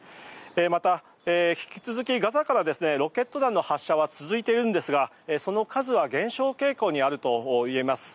また、引き続きガザからロケット弾の発射は続いているんですがその数は減少傾向にあるといえます。